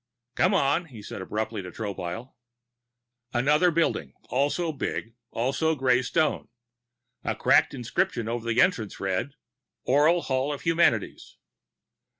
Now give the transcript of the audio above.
"Come on," he said abruptly to Tropile. Another building, also big, also gray stone. A cracked inscription over the entrance read: ORIAL HALL OF HUMANITIES.